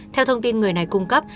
theo thông tin người này cung cấp